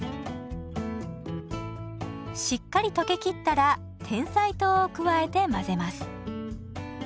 しっかり溶けきったらてんさい糖を加えて混ぜます。